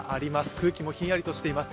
空気もひんやりしています。